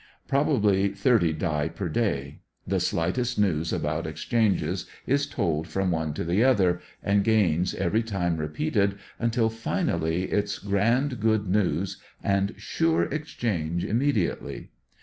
Probably thirty die per day. The slightest news about exchange is told from one to the other, and gains every time repeated, until finally its grand good news and sure exchange immediately.